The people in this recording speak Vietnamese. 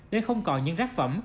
để không còn những rác phẩm